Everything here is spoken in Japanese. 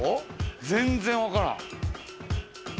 全然わからん。